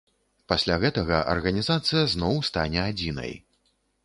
Пасля гэтага арганізацыя зноў стане адзінай.